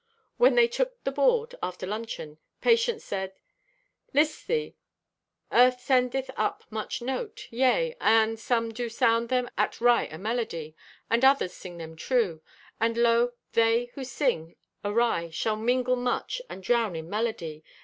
When they took the board, after luncheon, Patience said: "List thee. Earth sendeth up much note. Yea, and some do sound them at wry o' melody, and others sing them true. And lo, they who sing awry shall mingle much and drown in melody.